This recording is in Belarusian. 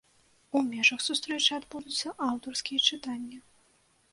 У межах сустрэчы адбудуцца аўтарскія чытанні.